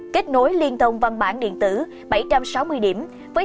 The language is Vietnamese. kết nối liên thông văn bản điện tử bảy trăm sáu mươi điểm